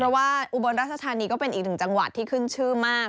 เพราะว่าอุบลราชธานีก็เป็นอีกหนึ่งจังหวัดที่ขึ้นชื่อมาก